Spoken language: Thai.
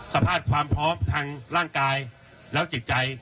สภาพความพร้อมทางร่างกายแล้วจิตใจ